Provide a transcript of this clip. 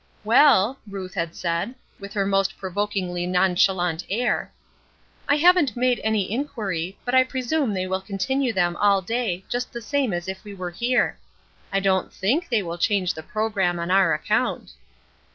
"Well," Ruth had said, with her most provokingly nonchalant air, "I haven't made any inquiry, but I presume they will continue them all day just the same as if we were here. I don't think they will change the programme on our account."